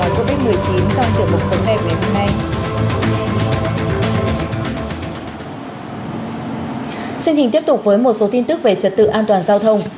chương trình tiếp tục với một số tin tức về trật tự an toàn giao thông